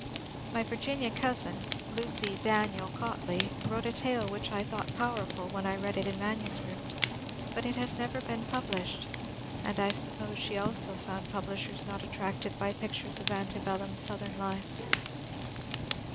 My Virginia cousin, Lucy (Daniel) Cautley, wrote a tale which I thought powerful when I read it in manuscript ; but it has never been published, and I suppose she also found publish ers not attracted by pictures of ante bellum Southern life.